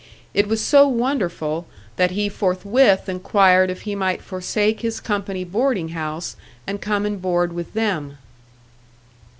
It was so wonderful that he forthwith inquired if he might forsake his company boarding house and come and board with them.